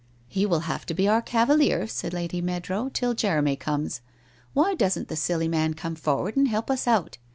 1 He will have to be our cavalier,' said Lady Meadrow, 1 till Jeremy comes. Why doesn't the silly man come forward and help us out?